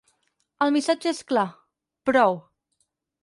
El missatge és clar: "prou".